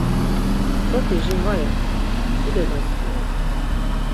Soti jin va yexta, tude doskidi!